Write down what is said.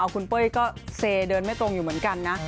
คุณเป้ยก็เซเดินไม่ตรงอยู่เหมือนกันนะ